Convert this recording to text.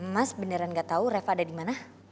mas beneran gatau reva ada dimana